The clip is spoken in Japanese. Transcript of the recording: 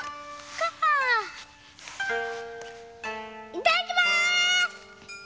いただきます！